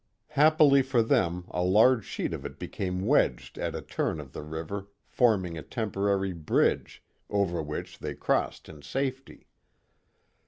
Happily for them a large sheet of it became wedged at a turn of the river forming a temporary bridge, over which they crossed in safety.